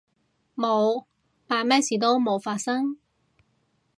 冇，扮咩事都冇發生